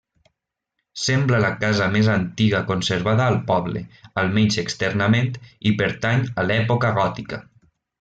Sembla la casa més antiga conservada al poble, almenys externament, i pertany a l'època gòtica.